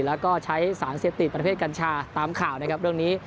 แล้วก็ใช้สารเสพติดประเภทกัญชาตามข่าวนะครับเรื่องนี้